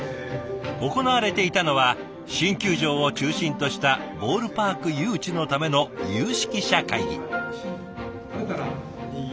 行われていたのは新球場を中心としたボールパーク誘致のための有識者会議。